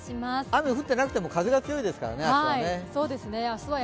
雨降ってなくても、風が強いですからね、明日は。